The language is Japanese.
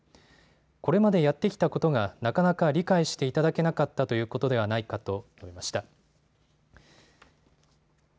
これまでやってきたことがなかなか理解していただけなかったということではないかと述べました。